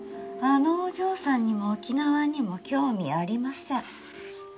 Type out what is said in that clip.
あのお嬢さんにも沖縄にも興味ありません。